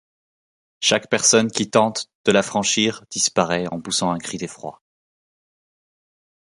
Chaque personne qui tente de la franchir disparaît en poussant un cri d'effroi...